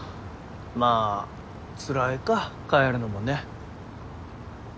まあつらいか帰るのもね。